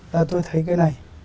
là tôi thấy cái này